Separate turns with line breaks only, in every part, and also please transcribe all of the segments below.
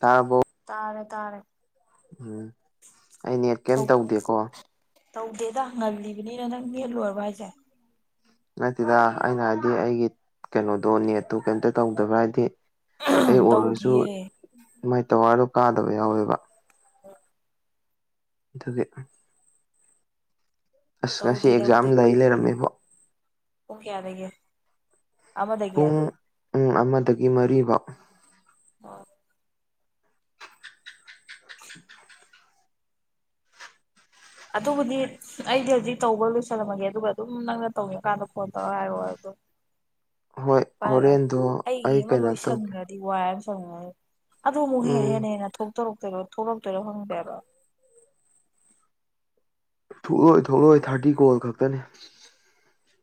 ꯇꯥꯔꯕꯣ
ꯇꯥꯔꯦ ꯇꯥꯔꯦ
ꯎꯝ ꯑꯩ ꯅꯦꯠ ꯀꯩꯝ ꯇꯧꯗꯦꯀꯣ
ꯇꯧꯗꯦꯗ ꯉꯜꯂꯤꯕꯅꯤꯅ ꯅꯪ ꯅꯦꯠ ꯂꯣꯏꯔꯕꯣ ꯍꯥꯏꯁꯦ
ꯅꯠꯇꯦꯗ ꯑꯩꯅ ꯍꯥꯏꯗꯤ ꯑꯩꯒꯤ ꯀꯩꯅꯣꯗꯣ ꯅꯦꯠꯇꯣ ꯀꯩꯇ ꯇꯧꯗꯕ ꯍꯥꯏꯗꯤ ꯑꯩ ꯑꯣꯏꯔꯁꯨ
ꯇꯧꯗꯤꯌꯦ
ꯃꯥꯏ ꯇꯧꯋꯥꯔꯗꯣ ꯀꯥꯗꯕ ꯌꯥꯎꯋꯦꯕ
[inaudible]
ꯑꯗꯨꯒꯤ ꯑꯁ ꯉꯁꯤ
ꯇꯧꯗꯦ
ꯑꯦꯛꯖꯥꯝ
ꯇꯧꯗꯦ
ꯂꯩ ꯂꯩꯔꯝꯃꯦꯕꯣ
ꯄꯨꯡ ꯀꯌꯥꯗꯒꯤ ꯑꯃꯗꯒꯤ ꯑꯣ
ꯄꯨꯡ ꯑꯃꯗꯒꯤ ꯃꯔꯤꯐꯥꯎ
ꯑꯣ
[inaudible]
ꯑꯗꯨꯕꯨꯗꯤ ꯑꯩꯗꯤ ꯍꯧꯖꯤꯛ ꯇꯧꯕ ꯂꯣꯏꯁꯜꯂꯝꯃꯒꯦ ꯑꯗꯨꯒ ꯑꯗꯨꯝ ꯅꯪꯅ ꯇꯧꯅꯤꯡꯀꯥꯟꯗ ꯐꯣꯟ ꯇꯧꯔꯒ ꯍꯥꯏꯔꯛꯑꯣ ꯑꯗꯣ
ꯍꯣꯏ
ꯄꯥꯏꯔꯤꯀꯥꯟ
ꯍꯣꯔꯦꯟꯗꯣ
ꯑꯩꯒꯤ
ꯑꯩ
ꯑꯃ
ꯀꯩꯅꯣ ꯇꯧꯒꯦ
ꯂꯣꯏꯁꯟꯒ꯭ꯔ ꯗꯤ ꯋꯥꯏ ꯑꯃ ꯁꯪꯑꯅꯤ ꯑꯗꯣ ꯑꯃꯨꯛ ꯍꯦ
ꯎꯝ
ꯍꯦꯟꯅ ꯍꯦꯟꯅ ꯊꯣꯛꯇꯣꯔꯛꯇꯣꯏꯔꯣ ꯊꯣꯛꯔꯛꯇꯣꯏꯔꯣ ꯈꯪꯗꯦ ꯍꯥꯏꯕ
ꯊꯣꯛꯂꯛ ꯑꯣꯏ ꯊꯣꯛꯂꯛ ꯑꯣꯏ ꯊꯥꯔꯇꯤ ꯀꯣꯜ ꯈꯛꯇꯅꯦ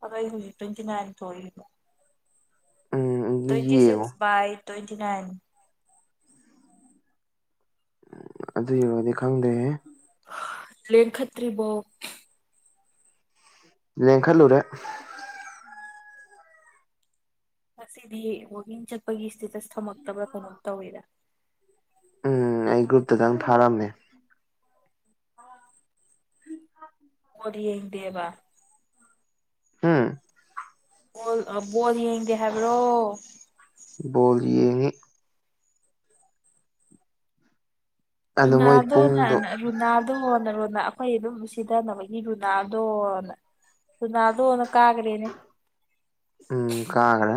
ꯑꯗꯣ ꯑꯩ ꯍꯧꯖꯤꯛ ꯇ꯭ꯋꯦꯟꯇꯤ ꯅꯥꯏꯟ ꯊꯣꯛꯛꯏꯕ
ꯎꯝ ꯑꯗꯨ
ꯇ꯭ꯋꯦꯟꯇꯤ
ꯌꯦꯡꯉꯣ
ꯁꯤꯛꯁ ꯕꯥꯏ ꯇ꯭ꯋꯦꯟꯇꯤ ꯅꯥꯏꯟ
ꯑꯗꯨ ꯌꯧꯔꯗꯤ ꯈꯪꯗ꯭ꯔꯦꯍꯦ
ꯂꯦꯡꯈꯠꯇ꯭ꯔꯤꯕꯣ
ꯂꯦꯡ ꯈꯠꯂꯨꯔꯦ
ꯉꯁꯤꯗꯤ ꯋꯀꯤꯡ ꯆꯠꯄꯒꯤ ꯁ꯭ꯇꯦꯇꯁ ꯊꯝꯃꯛꯇꯕ꯭ꯔꯥ ꯀꯩꯅꯣꯝ ꯇꯧꯋꯤꯗ
ꯎꯝ ꯑꯩ ꯒ꯭ꯔꯨꯞꯇꯗꯪ ꯊꯥꯔꯝꯃꯦ
ꯑꯣꯗꯤ ꯌꯦꯡ ꯗꯦꯕ
ꯍꯝ
ꯕꯣꯜ ꯑ ꯕꯣꯜ ꯌꯦꯡꯗꯦ ꯍꯥꯏꯕ꯭ꯔꯣ
ꯕꯣꯜ ꯌꯦꯡꯉꯤ ꯑꯗꯣ ꯃꯣꯏ
ꯔꯨꯅꯥꯗꯣꯅ
ꯄꯨꯡꯗꯣ
ꯔꯨꯅꯥꯜ ꯗꯣꯅ ꯔꯣꯅꯥꯜ ꯑꯈꯣꯏ ꯑꯗꯨꯝ ꯁꯤꯊꯅꯕꯒꯤ ꯔꯣꯅꯥꯜꯗꯣꯅ ꯔꯣꯅꯥꯜꯗꯣꯅ ꯀꯥꯒꯔꯦꯅꯦ
ꯎꯝ ꯀꯥꯒꯔꯦ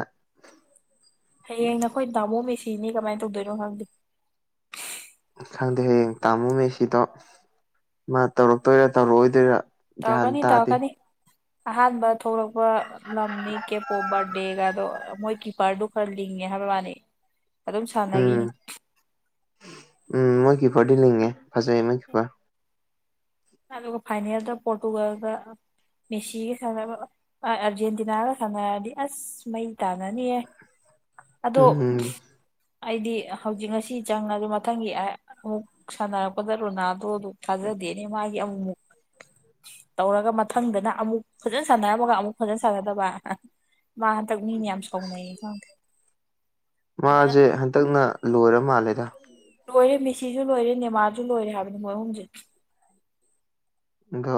ꯍꯌꯦꯡ ꯅꯈꯣꯏ ꯇꯥꯃꯣ ꯃꯦꯁꯤꯅꯤ ꯀꯃꯥꯏꯅ ꯇꯧꯗꯣꯏꯅꯣ ꯈꯪꯗꯦ
ꯈꯪꯗꯦ ꯍꯌꯦꯡ ꯇꯥꯃꯣ ꯃꯦꯁꯤꯗꯣ ꯃꯥ ꯇꯧꯔꯛꯇꯣꯏꯔ ꯇꯧꯔꯛꯑꯣꯏꯗꯣꯏꯔꯥ ꯒ꯭ꯌꯥꯟ
ꯇꯧꯔꯛꯒꯅꯤ
ꯇꯥꯗꯦ
ꯇꯧꯔꯛꯒꯅꯤ ꯑꯍꯥꯟꯕ ꯊꯣꯛꯂꯛꯄ ꯂꯝꯅꯤ ꯀꯦꯞ ꯑꯣ ꯕꯥꯔꯗꯦꯒꯗꯣ ꯃꯣꯏ ꯀꯤꯄꯔꯗꯨ ꯈꯔ ꯂꯤꯡꯉꯦ ꯍꯥꯏꯕꯩ ꯋꯥꯅꯤ
[unintelligible]
ꯑꯗꯨꯝ
ꯎꯝ
ꯁꯥꯟꯅꯈꯤꯅꯤ
ꯎꯝ ꯃꯣꯏꯒꯤꯄꯔꯗꯤ ꯂꯤꯡꯉꯦ ꯐꯖꯩ ꯃꯣꯏꯒꯤꯄꯔ
ꯑꯗꯨꯒ ꯐꯥꯏꯅꯦꯜꯗ ꯄꯣꯔꯇꯨꯒꯥꯜꯗ ꯃꯦꯁꯤꯒ ꯁꯥꯟꯅꯕ ꯑ ꯑꯥꯔꯖꯦꯟꯇꯤꯅꯥꯒ ꯁꯥꯟꯅꯔꯗꯤ ꯑꯁ ꯃꯩ ꯇꯥꯟꯅꯅꯤꯌꯦ ꯑꯗꯣ
ꯎꯝ
ꯑꯩꯗꯤ ꯍꯧꯖꯤꯛ ꯉꯁꯤ ꯆꯪꯉꯁꯨ ꯃꯊꯪꯒꯤ ꯑꯃꯨꯛ ꯁꯥꯟꯅꯔꯛꯄꯗ ꯔꯣꯅꯥꯗꯣ ꯑꯗꯨ ꯊꯥꯖꯗꯦꯅꯦ ꯃꯥꯒꯤ ꯑꯃꯨꯛꯃꯨꯛ ꯇꯧꯔꯒ ꯃꯊꯪꯗꯅ ꯑꯃꯨꯛ ꯐꯖꯅ ꯁꯥꯟꯅꯔꯝꯃꯒ ꯑꯃꯨꯛ ꯐꯖꯅ ꯁꯥꯟꯅꯗꯕ ꯃꯥ ꯍꯟꯗꯛ ꯃꯤꯅ ꯌꯥꯝ ꯁꯥꯎꯅꯩꯌꯦ ꯈꯪꯗꯦ ꯐꯖꯅ
ꯃꯥꯁꯦ ꯍꯟꯇꯛꯅ ꯂꯣꯏꯔ ꯃꯥꯜꯂꯦꯗ
ꯂꯣꯏꯔꯦ ꯃꯤꯦꯁꯤꯁꯨ ꯂꯣꯏꯔꯦ ꯅꯦꯃꯥꯖꯁꯨ ꯂꯣꯏꯔꯦ ꯍꯥꯏꯕꯅꯤ ꯃꯣꯏ ꯑꯍꯨꯝꯁꯦ
ꯑꯗꯣ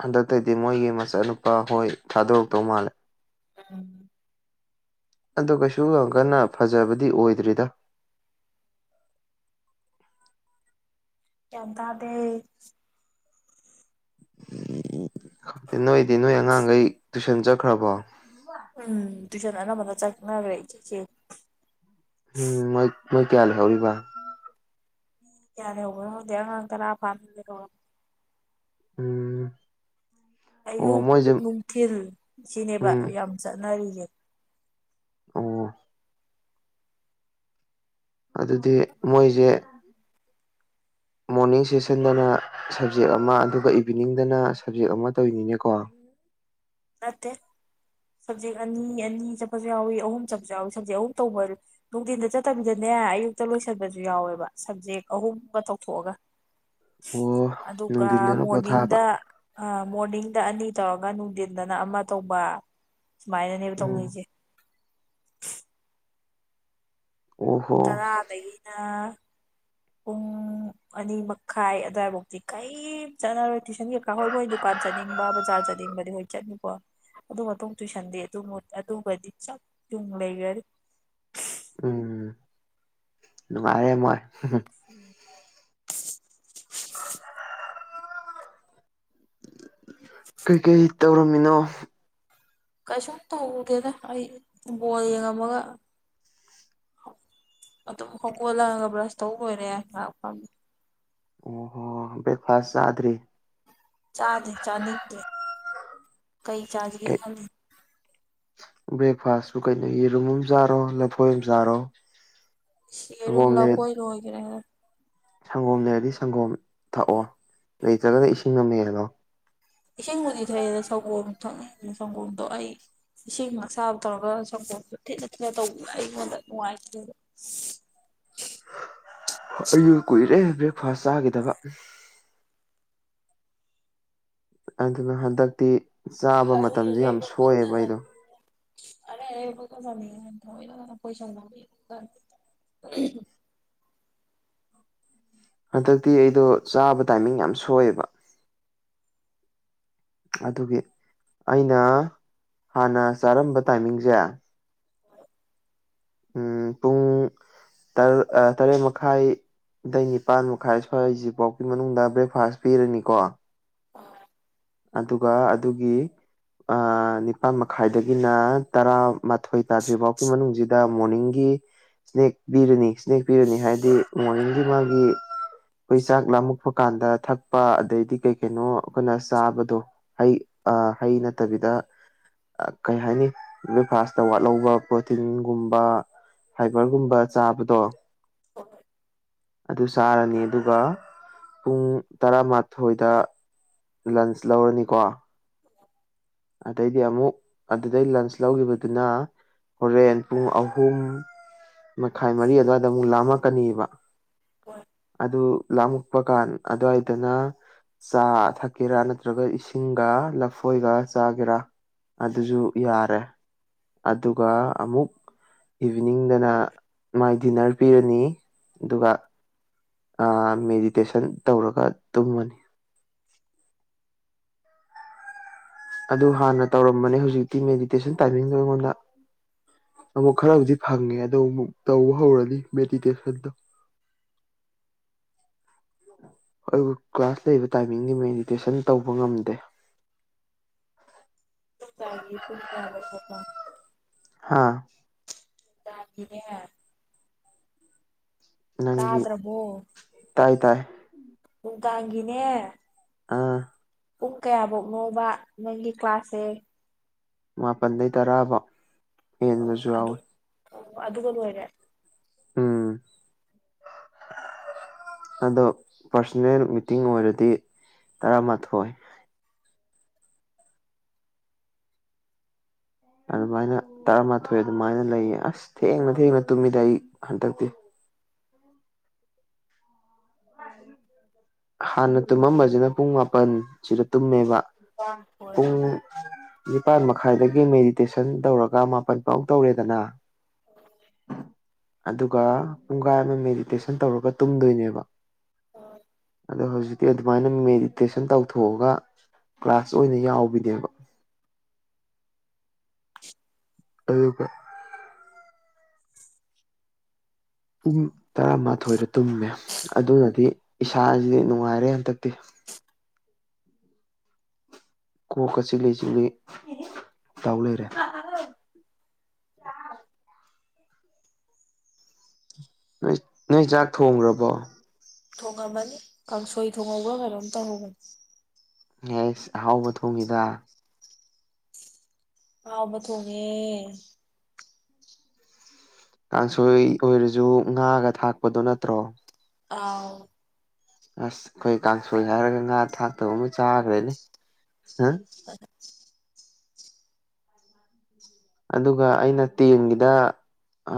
ꯍꯟꯗꯛꯇꯗꯤ ꯃꯣꯏꯒꯤ ꯃꯆꯥꯅꯨꯄꯥ ꯍꯣꯏ ꯊꯥꯗꯣꯔꯛꯇꯧ ꯃꯥꯜꯂꯦ
ꯎꯝ
ꯑꯗ ꯀꯩꯁꯨ ꯌꯥꯝ ꯀꯟꯅ ꯐꯖꯕꯗꯤ ꯑꯣꯏꯗ꯭ꯔꯤꯗ
ꯒ꯭ꯌꯥꯟ ꯇꯥꯗꯦ
ꯅꯣꯏꯗꯤ ꯅꯣꯏ ꯑꯉꯥꯡꯈꯩ ꯇꯨꯏꯁꯟ ꯆꯠꯈ꯭ꯔꯕꯣ
ꯎꯝ ꯇꯨꯏꯁꯟ ꯑꯅꯝꯕꯅ ꯆꯠꯅꯈ꯭ꯔꯦ ꯏꯆꯦꯁꯦ
ꯎꯝ ꯃꯣꯏ ꯃꯣꯏ ꯀꯌꯥ ꯂꯩꯍꯧꯔꯤꯕ
ꯀꯌꯥ ꯂꯩꯍꯧꯕꯅꯣ ꯈꯪꯗꯦ ꯑꯉꯥꯡ ꯇꯔꯥ ꯐꯅꯥ ꯂꯩꯔꯝꯃꯣꯢ
ꯎꯝ ꯑꯣ
ꯑꯌꯨꯛ
ꯃꯣꯏꯁꯦ
ꯅꯨꯡꯊꯤꯜ ꯁꯤꯅꯦꯕ
ꯎꯝ
ꯌꯥꯝ ꯆꯠꯅꯔꯤꯁꯦ
ꯑꯣ ꯑꯗꯨꯗꯤ ꯃꯣꯏꯁꯦ ꯃꯣꯔꯅꯤꯡ ꯁꯦꯁꯟꯗꯅ ꯁꯕꯖꯦꯛ ꯑꯃ ꯑꯗꯨꯒ ꯏꯚꯤꯅꯤꯡꯗꯅ ꯁꯕꯖꯦꯛ ꯑꯃ ꯇꯧꯔꯤꯅꯤꯅꯦꯀꯣ
ꯅꯠꯇꯦ ꯁꯕꯖꯦꯛ ꯑꯅꯤ ꯑꯅꯤ ꯆꯠꯄꯁꯨ ꯌꯥꯎꯏ ꯑꯍꯨꯝ ꯆꯠꯄꯁꯨ ꯌꯥꯎꯏ ꯁꯞꯖꯦꯛ ꯑꯍꯨꯝ ꯇꯧꯕ ꯅꯨꯡꯊꯤꯟꯗ ꯆꯠꯇꯕꯤꯗꯅꯦ ꯑꯌꯨꯛꯇ ꯂꯣꯏꯁꯤꯟꯕꯁꯨ ꯌꯥꯎꯋꯦꯕ ꯁꯕꯖꯦꯛ ꯑꯍꯨꯝꯒ ꯇꯧꯊꯣꯛꯑꯒ
ꯎꯝ [unintelligible]
ꯑꯗꯨꯒ ꯃꯣꯔꯅꯤꯡꯗ ꯃꯣꯔꯅꯤꯡꯗ ꯑꯅꯤ ꯇꯧꯔꯒ ꯅꯨꯡꯊꯤꯟꯗꯅ ꯑꯃ ꯇꯧꯕ ꯁꯨꯃꯥꯏꯅꯅꯦꯕ
ꯎꯝ
ꯇꯧꯅꯩꯁꯦ
ꯑꯣꯍꯣ
ꯇꯔꯥꯗꯒꯤꯅꯥ ꯄꯨꯡ ꯑꯅꯤ ꯃꯈꯥꯏ ꯑꯗꯨꯋꯥꯏꯐꯥꯎꯗꯤ ꯀꯔꯤꯝ ꯆꯠꯅꯔꯣꯏ ꯇꯨꯢꯁꯟ ꯍꯣꯏ ꯃꯣꯏ ꯗꯨꯀꯥꯟ ꯆꯠꯅꯤꯡꯕ ꯕꯖꯥꯔ ꯆꯠꯅꯤꯡꯕꯗꯤ ꯍꯣꯏ ꯆꯠꯅꯤꯀꯣ ꯑꯗꯨ ꯃꯇꯨꯡ ꯇꯨꯏꯁꯟꯗꯤ ꯑꯗꯨ ꯑꯗꯨꯕꯨꯗꯤ ꯆꯞ ꯌꯨꯡ ꯂꯩꯒꯔꯥꯅꯤ
ꯎꯝ ꯅꯨꯡꯉꯥꯏꯔꯦ ꯃꯣꯏ
ꯎꯝ [inaudible] ꯥ
ꯀꯩ ꯀꯩ ꯇꯧꯔꯝꯃꯤꯅꯣ
ꯀꯩꯁꯨꯝ ꯇꯧꯗꯦꯗ ꯑꯩ ꯕꯣꯜ ꯌꯦꯡꯉꯝꯃꯒ ꯑꯗꯨꯝ ꯍꯧꯒꯣꯜꯂꯛ ꯑꯒ ꯕ꯭ꯔꯁ ꯇꯧ ꯂꯣꯏꯔꯦ ꯉꯥꯛ ꯐꯝꯃꯦ
ꯑꯣ ꯕ꯭ꯔꯦꯛꯐꯥꯁ ꯆꯥꯗ꯭ꯔꯤ
ꯆꯥꯗꯦ ꯆꯥꯅꯤꯡꯗꯦ ꯀꯩ ꯆꯥꯁꯤꯒꯦ ꯈꯜꯂꯤ
[unintelligible] ꯕ꯭ꯔꯦꯛꯐꯥꯁꯕꯨ ꯀꯩꯅꯣ ꯌꯦꯔꯨꯝ ꯑꯃ ꯆꯥꯔꯣ ꯂꯐꯣꯏ ꯑꯃ ꯆꯥꯔꯣ
ꯌꯦꯔꯨꯝ
ꯁꯪꯒꯣꯝ ꯂꯩꯔ
ꯂꯐꯣꯏ ꯂꯣꯏꯈ꯭ꯔꯦ
ꯁꯪꯒꯣꯝ ꯂꯩꯔꯗꯤ ꯁꯪꯒꯣꯝ ꯊꯛꯑꯣ ꯂꯩꯇ꯭ꯔꯒꯅ ꯏꯁꯤꯡꯅ ꯃꯦꯜꯂꯣ
ꯏꯁꯤꯡꯕꯨꯗꯤ ꯊꯛꯑꯦꯅ ꯁꯪꯒꯣꯝ ꯊꯥꯛꯅꯤꯡꯗꯦ ꯁꯪꯒꯣꯝꯗꯣ ꯑꯩ ꯏꯁꯤꯡ ꯑꯁꯥꯕ ꯇꯧꯔꯒ ꯁꯪꯄꯣꯝꯗꯨ ꯊꯤꯠꯂ ꯊꯤꯠꯂ ꯇꯧꯕꯗꯣ ꯑꯩꯉꯣꯟꯗ ꯅꯨꯡꯉꯥꯏꯇꯦꯕ
ꯑꯩꯖꯨ ꯀꯨꯏꯔꯦ ꯕ꯭ꯔꯦꯛꯐꯥꯁ ꯆꯥꯈꯤꯗꯕ ꯑꯗꯨꯅ ꯍꯟꯗꯛꯇꯤ ꯆꯥꯕ
ꯑꯔꯩ
ꯃꯇꯝꯖꯤ ꯌꯥꯝ
ꯑꯔꯩꯕ ꯄꯪꯆꯥ
ꯁꯣꯏꯑꯦꯕ ꯑꯩꯗꯣ
ꯆꯥꯅꯤꯡꯉꯦ ꯑꯔꯩ ꯑꯔꯩꯕ ꯄꯪꯆꯥ ꯆꯅꯤꯡꯉꯤ ꯊꯑꯣꯏꯅꯒ ꯂꯐꯣꯏ ꯁꯪꯒꯣꯝ ꯌꯦꯉꯥꯒ
ꯍꯟꯗꯛꯇꯤ ꯑꯩꯗꯣ ꯆꯥꯕ ꯇꯥꯏꯃꯤꯡ ꯌꯥꯝ ꯁꯣꯏꯑꯦꯕ ꯑꯗꯨꯒꯤ ꯑꯩꯅ ꯍꯥꯟꯅ ꯆꯥꯔꯝꯕ ꯇꯥꯏꯃꯤꯡꯖꯦ
ꯍ [inaudible]
ꯎꯝ ꯄꯨꯡ ꯇꯔ ꯑ ꯇꯔꯦꯠ ꯃꯈꯥꯏ ꯑꯗꯩ ꯅꯤꯄꯥꯟ ꯃꯈꯥꯏ ꯁ꯭ꯋꯥꯏꯖꯤꯚꯥꯎꯒꯤ ꯃꯅꯨꯡꯗ ꯕ꯭ꯔꯦꯛꯐꯥꯁ ꯄꯤꯔꯅꯤꯀꯣ
ꯑꯣꯏ
ꯑꯗꯨꯒ ꯑꯗꯨꯒꯤ ꯑ ꯅꯤꯄꯥꯥꯟ ꯃꯈꯥꯏꯗꯒꯤꯅ ꯇꯔꯥꯃꯥꯊꯣꯏ ꯇꯥꯗ꯭ꯔꯤꯐꯥꯎꯒꯤ ꯃꯅꯨꯡꯖꯤꯗ ꯃꯣꯔꯅꯤꯡꯒꯤ ꯏꯁꯅꯦꯛ ꯄꯤꯔꯅꯤ ꯏꯁꯅꯦꯛ ꯄꯤꯔꯅꯤ ꯍꯥꯏꯗꯤ ꯃꯣꯔꯅꯤꯡꯒꯤ ꯃꯥꯒꯤ ꯑꯩꯈꯣꯏ ꯆꯥꯛ ꯂꯥꯝꯃꯛꯄ ꯀꯥꯟꯗ ꯊꯛꯄ ꯑꯗꯩꯗꯤ ꯀꯩ ꯀꯩꯅꯣ ꯑꯩꯈꯣꯏꯅ ꯆꯥꯕꯗꯣ ꯍꯩ ꯑ ꯍꯩ ꯅꯠꯇꯕꯤꯗ ꯑ ꯀꯩ ꯍꯥꯏꯅꯤ ꯕ꯭ꯔꯦꯛꯐꯥꯁꯇ ꯋꯥꯠꯍꯧꯕ ꯄ꯭ꯔꯣꯇꯤꯟꯒꯨꯝꯕ ꯐꯥꯏꯕꯔꯒꯨꯝꯕ ꯆꯥꯕꯗꯣ
ꯍꯣꯏ
ꯑꯗꯨ ꯆꯥꯔꯅꯤ ꯑꯗꯨꯒ ꯄꯨꯡ ꯇꯔꯥꯃꯥꯊꯣꯏꯗ ꯂꯟꯁ ꯂꯧꯔꯅꯤꯀꯣ
ꯎ [inaudible]
ꯑꯗꯩꯗꯤ ꯑꯃꯨꯛ ꯑꯗꯨꯗꯩ ꯂꯟꯁ ꯂꯧꯒꯤꯕꯗꯨꯅ ꯍꯣꯔꯦꯟ ꯄꯨꯡ ꯑꯍꯨꯝ ꯃꯈꯥꯏ ꯃꯔꯤ ꯑꯗꯨꯋꯥꯏꯗ ꯑꯃꯨꯛ ꯂꯥꯝꯃꯛꯀꯅꯤꯕ
ꯍꯣꯏ
ꯑꯗꯨ ꯂꯥꯝꯃꯛꯄ ꯀꯥꯟ ꯑꯗꯋꯥꯏꯗꯅ ꯆꯥ ꯊꯛꯀꯦꯔꯥ ꯅꯠꯇ꯭ꯔꯒ ꯏꯁꯤꯡꯒ ꯂꯐꯣꯏꯒ ꯆꯥꯒꯦꯔꯥ ꯑꯗꯨꯖꯨ ꯌꯥꯔꯦ ꯑꯗꯨꯒ ꯑꯃꯨꯛ ꯏꯚꯤꯅꯤꯡꯗꯅ ꯃꯥꯏ ꯗꯤꯟꯅꯔ ꯄꯤꯔꯅꯤ ꯑꯗꯨꯒ ꯑ ꯃꯦꯗꯤꯇꯦꯁꯟ ꯇꯧꯔꯒ ꯇꯨꯝꯃꯅꯤ ꯑꯗꯨ ꯍꯥꯟꯅ ꯇꯧꯔꯝꯕꯅꯦ ꯍꯧꯖꯤꯛꯇꯤ ꯃꯦꯗꯤꯇꯦꯁꯟ ꯇꯥꯏꯃꯤꯡꯗꯣ ꯑꯩꯉꯣꯟꯗ ꯑꯃꯨꯛ ꯈꯔꯕꯨꯗꯤ ꯐꯪꯉꯦ ꯑꯗꯣ ꯑꯃꯨꯛ ꯇꯧꯕ ꯍꯧꯔꯅꯤ ꯃꯦꯗꯤꯇꯦꯁꯟꯗꯣ ꯑꯩꯕꯨ ꯀ꯭ꯂꯥꯁ ꯂꯩꯕ ꯇꯥꯏꯃꯤꯡꯗꯤ ꯃꯦꯗꯤꯇꯦꯁꯟ ꯇꯧꯕ ꯉꯝꯗꯦ
ꯄꯨꯡ ꯀꯌꯥꯕꯧ ꯊꯣꯛꯄ
ꯍꯥꯥ
ꯆꯥꯒꯤꯅꯦ
ꯅꯪꯒꯤ
ꯇꯥꯗ꯭ꯔꯕꯣ
ꯇꯥꯏ ꯇꯥꯏ
ꯅꯨꯡꯗꯥꯡꯒꯤꯅꯦ
ꯑꯥ
ꯄꯨꯛ ꯀꯌꯥꯚꯧꯅꯣꯕ ꯅꯪꯒꯤ ꯀ꯭ꯂꯥꯁꯁꯦ
ꯃꯥꯄꯟꯗꯩ ꯇꯔꯥꯕꯥꯎ
ꯑꯣ ꯑꯗꯨꯛ ꯑꯣ ꯑꯗꯨꯒ ꯂꯣꯏꯔꯦ
ꯎꯝ ꯑꯗꯣ ꯄꯥꯔꯁꯣꯅꯦꯜ ꯃꯤꯇꯤꯡ ꯑꯣꯏꯔꯗꯤ ꯇꯔꯥꯃꯥꯊꯣꯏ ꯑꯗꯨꯃꯥꯏꯅ ꯇꯔꯥꯃꯥꯊꯣꯏ ꯑꯗꯨꯃꯥꯏꯅ ꯂꯩꯌꯦ ꯑꯁ ꯊꯦꯡꯅ ꯊꯦꯡꯅ ꯇꯨꯝꯃꯤꯗ ꯑꯩ ꯍꯟꯗꯛꯇꯤ ꯍꯥꯟꯅ ꯇꯨꯝꯃꯝꯕꯖꯤꯅ ꯄꯨꯡ ꯃꯥꯄꯟꯁꯤꯗ ꯇꯨꯝꯃꯦꯕ
ꯍꯣꯏ
ꯄꯨꯡ ꯅꯤꯄꯥꯥꯟ ꯃꯈꯥꯏꯗꯒꯤ ꯃꯦꯗꯤꯇꯦꯁꯟ ꯇꯧꯔꯒ ꯃꯥꯄꯜ ꯄꯥꯎ ꯇꯧꯔꯦꯗꯅ ꯑꯗꯨꯒ ꯄꯨꯡꯒꯥꯏ ꯑꯃ ꯃꯦꯗꯤꯇꯦꯁꯟ ꯇꯧꯔꯒ ꯇꯨꯝꯗꯣꯏꯅꯦꯕ
ꯍꯣꯏ
ꯑꯗꯣ ꯍꯧꯖꯤꯛꯇꯤ ꯑꯗꯨꯃꯥꯏꯅ ꯃꯦꯗꯤꯇꯦꯁꯟ ꯇꯧꯊꯣꯛꯑꯒ ꯀ꯭ꯂꯥꯁ ꯑꯣꯏꯅ ꯌꯥꯎꯕꯤꯅꯦꯕ ꯑꯗꯨ ꯀ
[inaudible]
ꯄꯨꯡ ꯇꯔꯥꯃꯥꯊꯣꯏꯗ ꯇꯨꯝꯃꯦ ꯑꯗꯨꯅꯗꯤ ꯏꯁꯥꯁꯤꯗꯤ ꯅꯨꯡꯉꯥꯏꯔꯦ ꯍꯟꯇꯛꯇꯤ ꯀꯣꯛꯀ ꯆꯛꯂꯤ ꯆꯛꯜꯂꯤ ꯇꯥꯎ ꯂꯩꯔꯦ ꯅꯣꯏ ꯅꯣꯏ ꯆꯥꯛ ꯊꯣꯡꯈ꯭ꯔꯕꯣ
ꯊꯣꯡꯉꯝꯃꯅꯤ ꯀꯥꯡꯁꯣꯏ ꯊꯣꯡꯍꯧꯕ꯭ꯔ ꯀꯩꯅꯣꯝ ꯇꯧꯍꯧꯕꯅꯤ
ꯌꯥꯁ ꯑꯍꯥꯎꯕ ꯊꯣꯡꯉꯤꯗ
ꯍꯥꯎꯕ ꯊꯣꯡꯉꯦ
ꯀꯥꯡꯁꯣꯏ ꯑꯣꯏꯔꯁꯨ ꯉꯥꯒ ꯊꯥꯛꯄꯗꯣ ꯅꯠꯇ꯭ꯔꯣ
ꯑꯥꯎ
ꯑꯁ ꯑꯩꯈꯣꯏ ꯀꯥꯡꯁꯣꯏ ꯍꯥꯏꯔꯒ ꯉꯥ ꯊꯥꯛꯇꯕ ꯑꯃ ꯆꯥꯈ꯭ꯔꯦꯅꯦ
ꯍ
ꯑꯗꯨꯒ ꯑꯩꯅ ꯇꯦꯡꯒꯤꯗ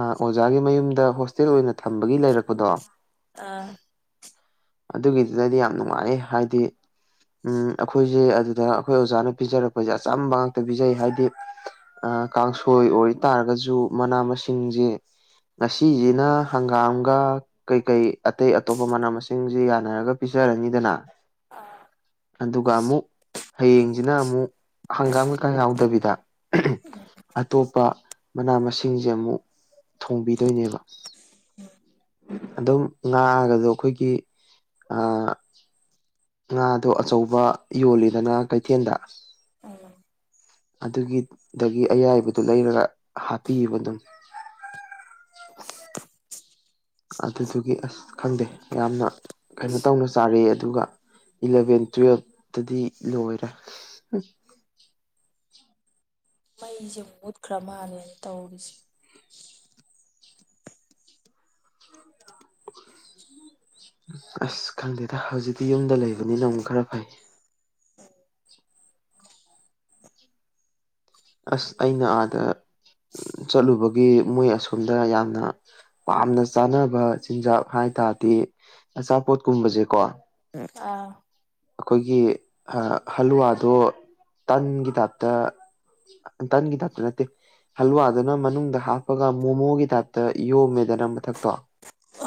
ꯑꯣꯖꯥꯒꯤ ꯃꯌꯨꯝꯗ ꯍꯣꯁꯇꯦꯜ ꯑꯣꯏꯅ ꯊꯝꯕꯒꯤ ꯂꯩꯔꯛꯄꯗꯣ
ꯑꯥ
ꯑꯗꯨꯒꯤꯗꯨꯗꯗꯤ ꯌꯥꯝ ꯅꯨꯡꯉꯥꯏ ꯍꯥꯏꯗꯤ ꯎꯝ ꯑꯩꯈꯣꯏꯁꯦ ꯑꯗꯨꯗ ꯑꯩꯈꯣꯏ ꯑꯣꯖꯥꯅ ꯄꯤꯖꯔꯛꯄꯁꯦ ꯑꯆꯝꯕ ꯉꯥꯛꯇ ꯄꯤꯖꯩ ꯍꯥꯏꯗꯤ ꯀꯥꯡꯁꯣꯏ ꯑꯣꯏꯇꯥꯔꯒꯁꯨ ꯃꯅꯥ ꯃꯁꯤꯡꯁꯦ ꯉꯁꯤꯁꯤꯅ ꯍꯪꯒꯥꯝꯒ ꯀꯩꯀꯩ ꯑꯇꯩ ꯑꯇꯣꯞꯄ ꯃꯅꯥ ꯃꯁꯤꯡꯁꯤ ꯌꯥꯅꯔꯒ ꯄꯤꯖꯔꯅꯤꯗꯅ
ꯑꯥ
ꯑꯗꯨꯒ ꯑꯃꯨꯛ ꯍꯌꯦꯡꯁꯤꯅ ꯑꯃꯨꯛ ꯍꯪꯒꯥꯝ ꯀꯩꯀꯥ ꯌꯥꯎꯗꯕꯤꯗ ꯑꯇꯣꯞꯄ ꯃꯅꯥ ꯃꯁꯤꯡꯁꯦ ꯑꯃꯨꯛ ꯊꯣꯡꯕꯤꯗꯣꯏꯅꯦꯕ ꯑꯗꯨꯝ ꯉꯥꯛꯑꯒꯁꯨ ꯑꯩꯈꯣꯏꯒꯤ ꯑ ꯉꯥꯗꯣ ꯑꯆꯧꯕ ꯌꯣꯜꯂꯤꯗꯅ ꯀꯩꯊꯦꯜꯗ
ꯑ
ꯑꯗꯨꯒꯤ ꯗꯒꯤ ꯑꯌꯥꯏꯕꯗꯨ ꯂꯩꯔꯒ ꯍꯥꯞꯄꯤꯕ ꯑꯗꯨꯝ ꯑꯗꯨꯗꯨꯒꯤ ꯑꯁ ꯈꯪꯗꯦ ꯌꯥꯝꯅ ꯀꯩꯅꯣ ꯇꯧꯅ ꯆꯥꯔ ꯑꯗꯨꯒ ꯏꯂꯚꯦꯟ ꯇꯨꯋꯦꯜꯕꯇꯗꯤ ꯂꯣꯏꯔꯦ
ꯃꯩꯁꯦ ꯃꯨꯠꯈ꯭ꯔ ꯃꯥꯜꯂꯦꯅ ꯇꯧꯔꯤꯁꯦ
ꯑꯁ ꯈꯪꯗꯦꯗ ꯍꯧꯖꯤꯛꯇꯤ ꯌꯨꯝꯗ ꯂꯩꯕꯅꯤꯅ ꯑꯃꯨꯛ ꯈꯔ ꯐꯩ
ꯍ
ꯑꯁ ꯑꯩꯅ ꯑꯥꯗ ꯆꯠꯂꯨꯕꯒꯤ ꯃꯣꯏ ꯑꯁꯣꯝꯗ ꯌꯥꯝꯅ ꯄꯥꯝꯅ ꯆꯥꯅꯕ ꯆꯤꯟꯖꯥꯛ ꯍꯥꯏ ꯇꯥꯔꯗꯤ ꯑꯆꯥꯄꯣꯠꯀꯨꯝꯕꯁꯦꯀꯣ
ꯑꯥ
ꯑꯩꯈꯣꯏꯒꯤ ꯍꯜꯂꯨꯋꯥꯗꯣ ꯇꯟꯒꯤ ꯇꯥꯏꯞꯇ ꯇꯪꯒꯤ ꯊꯥꯛ ꯅꯠꯇꯦ ꯍꯜꯨꯋꯥꯗꯨꯅ ꯃꯅꯨꯡꯗ ꯍꯥꯞꯄꯒ ꯃꯣꯃꯣꯒꯤ ꯇꯥꯏꯞꯇ ꯏꯣ ꯃꯦꯗꯟ ꯃꯊꯛꯇꯣ
ꯑ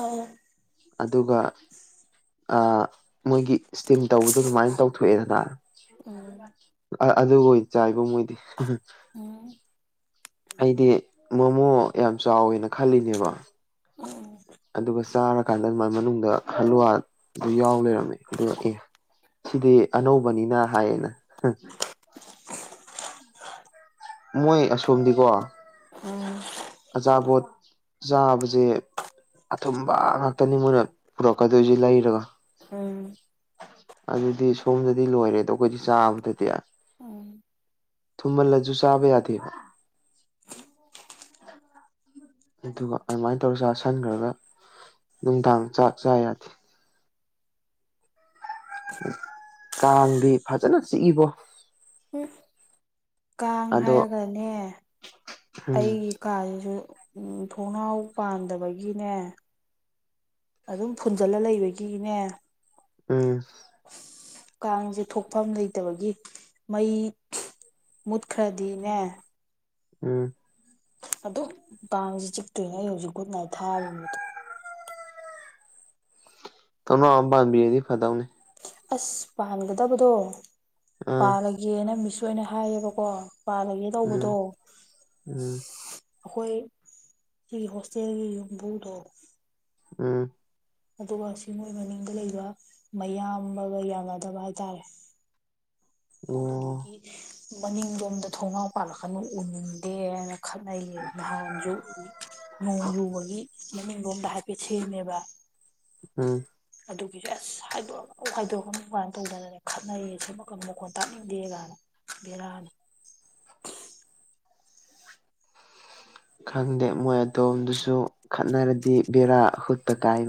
ꯑꯗꯨꯒ ꯑ ꯃꯣꯏꯒꯤ ꯏꯁꯇꯤꯝ ꯇꯧꯕꯗꯣ ꯑꯗꯨꯃꯥꯏꯅ ꯇꯧꯊꯣꯛꯑꯦꯗꯅ
ꯎꯝ
ꯑꯗꯨꯕꯨ ꯆꯥꯏꯕ ꯃꯣꯏꯗꯤ
ꯎꯝ
ꯑꯩꯗꯤ ꯃꯣꯃꯣ ꯌꯥꯝ ꯆꯥꯎꯋꯦꯅ ꯈꯜꯂꯤꯅꯦꯕ
ꯎꯝ
ꯑꯗꯨꯒ ꯆꯥꯔꯀꯥꯟꯗ ꯑꯗꯨꯃꯥꯏ ꯃꯅꯨꯡꯗ ꯍꯂꯨꯋꯥꯗꯨ ꯌꯥꯎ ꯂꯩꯔꯝꯃꯦ ꯑꯗꯨꯒ ꯑꯦ ꯁꯤꯗꯤ ꯑꯅꯧꯕꯅꯤꯅ ꯍꯥꯏꯌꯦꯅ ꯃꯣꯏ ꯑꯁꯣꯝꯗꯤꯀꯣ
ꯎꯝ
ꯑꯆꯥꯄꯣꯠ ꯆꯥꯕꯁꯦ ꯑꯊꯨꯝꯕ ꯉꯥꯛꯇꯅꯤ ꯃꯣꯏꯅ ꯄꯨꯔꯀꯗꯧꯖꯤ ꯂꯔꯒ
ꯎꯝ
ꯑꯗꯨꯗꯤ ꯁꯣꯝꯗꯗꯤ ꯂꯣꯏꯔꯦ ꯑꯗꯣ ꯑꯩꯈꯣꯏꯗꯤ ꯆꯥꯕꯗꯗꯤ
ꯑ
ꯊꯨꯝꯍꯜꯂꯁꯨ ꯆꯥꯕ ꯌꯥꯗꯦ ꯑꯗꯨꯒ ꯑꯗꯨꯃꯥꯏꯅ ꯇꯧꯔ ꯆ ꯁꯟꯈ꯭ꯔꯒ ꯅꯨꯡꯗꯥꯡ ꯆꯥꯛ ꯆꯥ ꯌꯥꯗꯦ ꯀꯥꯡꯗꯤ ꯐꯖꯅ ꯆꯤꯛꯏꯕꯣ
ꯎ ꯀꯥꯡ
ꯑꯗꯣ
ꯍꯥꯏꯔꯒꯅꯦ
ꯎꯝ
ꯑꯩ ꯀꯥꯁꯤꯁꯨ ꯊꯣꯡꯅꯥꯎ ꯄꯥꯟꯗꯕꯒꯤꯅꯦ ꯑꯗꯨꯝ ꯐꯨꯟꯖꯜꯂ ꯂꯩꯕꯒꯤꯅꯦ
ꯎꯝ
ꯀꯥꯡꯁꯦ ꯊꯣꯛꯐꯝ ꯂꯩꯇꯕꯒꯤ ꯃꯩ ꯃꯨꯠꯈ꯭ꯔꯗꯤꯅꯦ
ꯎꯝ
ꯑꯗꯨꯝ ꯄꯥꯡꯁꯤ ꯆꯤꯛꯇꯣꯏꯅꯦ ꯑꯩ ꯍꯧꯖꯤꯛ ꯒꯠ ꯅꯥꯏ ꯊꯥꯕꯅꯤꯗꯣ
ꯇꯅꯣ ꯑꯝ ꯄꯕꯥꯝꯕꯤꯗꯤ ꯐꯅꯤ
ꯑꯁ ꯄꯥꯟꯒꯗꯕꯗꯣ
ꯑꯥ
ꯄꯥꯜꯂꯒꯦꯅ ꯃꯤꯁ ꯑꯣꯏꯅ ꯍꯥꯏꯌꯦꯕꯀꯣ ꯄꯥꯅꯒꯦ
ꯎꯝ
ꯇꯧꯕꯗꯣ
ꯎꯝ
ꯑꯩꯈꯣꯏ ꯁꯤꯒꯤ ꯍꯣꯁꯇꯦꯜꯒꯤ ꯌꯨꯝꯕꯨꯗꯣ
ꯎꯝ
ꯑꯗꯨꯒ ꯁꯤ ꯃꯣꯏ ꯃꯅꯤꯡꯗ ꯂꯩꯕ ꯃꯌꯥꯝꯒ ꯌꯥꯅꯗꯕ ꯍꯥꯏꯇꯥꯔꯦ
ꯑꯣ
ꯑꯗꯨꯗꯨꯒꯤ ꯃꯅꯤꯡꯂꯣꯝꯗ ꯊꯣꯡꯒꯥꯎ ꯄꯥꯜꯂꯛꯀꯅꯨ ꯎꯟꯗꯦꯅ ꯈꯠꯅꯩꯌꯦ ꯅꯍꯥꯟꯁꯨ ꯅꯣꯡ ꯌꯨꯕꯒꯤ ꯃꯃꯤꯡꯂꯣꯝꯗ ꯍꯥꯏꯐꯦꯠ ꯁꯦꯝꯃꯦꯕ
ꯎ
ꯑꯗꯨꯒꯤꯁꯨꯦ ꯑꯁ ꯍꯥꯏꯗꯣꯛꯑ ꯍꯥꯏꯗꯣꯛꯑ ꯀꯥꯏꯅ ꯇꯧꯗꯅꯅꯦ ꯈꯠꯅꯩꯌꯦ ꯁꯦꯝꯃ ꯀꯝ ꯃꯈꯣꯟ ꯇꯥꯛꯅꯤꯡꯗꯦ ꯀꯥꯏꯅ ꯕꯤꯔꯥꯅ
ꯈꯪꯗꯦ ꯃꯣꯏ ꯑꯗꯣꯝꯗꯨꯁꯨ ꯈꯠꯅꯔꯗꯤ ꯕꯦꯔꯥ ꯍꯨꯠꯇ ꯀꯥꯏ